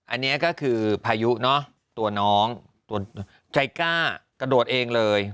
อันนี้ก็คือพายุเนอะตัวน้องตัวใจกล้ากระโดดเองเลย